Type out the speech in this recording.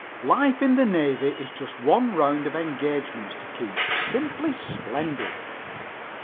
_ Life in the Navy is just one round of engagements to keep. Simply splendid!